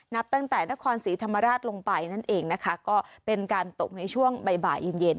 นับตั้งแต่นครศรีธรรมราชลงไปนั่นเองนะคะก็เป็นการตกในช่วงบ่ายเย็นเย็น